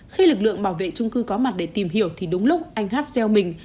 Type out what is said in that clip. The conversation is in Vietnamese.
khi lực lượng bảo vệ trung cư có mặt để tìm hiểu thì đúng lúc anh hát gieo mình